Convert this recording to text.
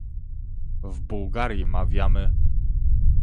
W Bułgarii mawiamy